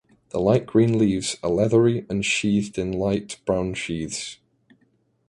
The light green leaves are leathery and sheathed in light brown sheathes.